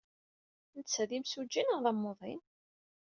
Netta d imsujji neɣ d amuḍin?